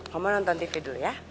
kamu nonton tv dulu ya